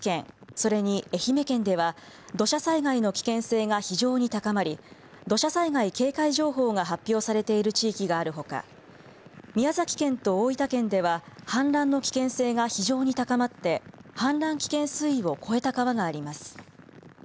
それに愛媛県では土砂災害の危険性が非常に高まり土砂災害警戒情報が発表されている地域があるほか宮崎県と大分県では氾濫の危険性が非常に高まって氾濫危険水位を超えた川があります。